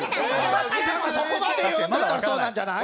そこまで言うんだったらそうなんじゃない？